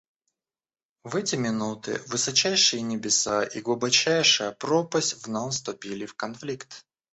В эти минуты высочайшие небеса и глубочайшая пропасть вновь вступили в конфликт.